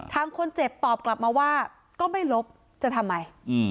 ทางคนเจ็บตอบกลับมาว่าก็ไม่ลบจะทำไม